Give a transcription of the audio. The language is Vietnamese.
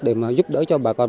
để mà giúp đỡ cho bà con